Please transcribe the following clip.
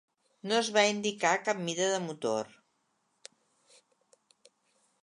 No es va indicar cap mida de motor.